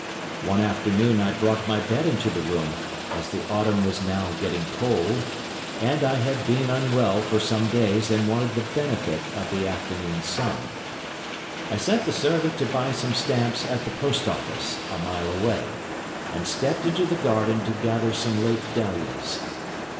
One afternoon I brought my bed into the room, as the autumn was now getting cold, and I had been unwell for some days and wanted the benefit of the afternoon sun. I sent the servant to buy some stamps at the Post Office, a mile away, and stepped into the garden to gather some late dahlias.